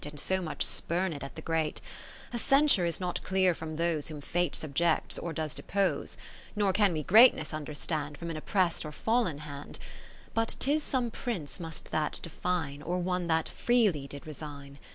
And so much spurned at the great : A censure is not clear from those Whom Fate subjects, or does depose ; Nor can we Greatness understand From an oppress'd or fallen hand : But 'tis some Prince must thatdefine, Or one that freely did resign.